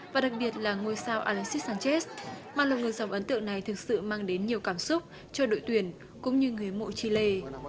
và đặc biệt là ngôi sao alexis sanchez mà lòng người dòng ấn tượng này thực sự mang đến nhiều cảm xúc cho đội tuyển cũng như người hâm mộ chile